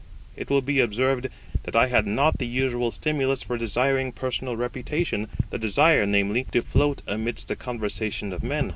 It will be observed that I had not the usual stimulus for desiring personal reputation, the desire, namely, to float amidst the conversation of men.